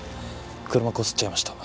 車こすっちゃいました。